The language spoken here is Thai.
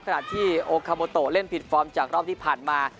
ขณะที่โอคาโมโตเล่นผิดฟอร์มจากรอบที่ผ่านมา